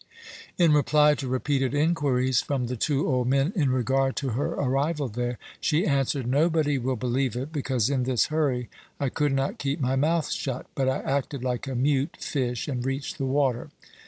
In reply to repeated inquiries from the two old men in regard to her arrival there, she answered: "Nobody will believe it, because in this hurry I could not keep my mouth shut; but I acted like a mute fish and reached the water."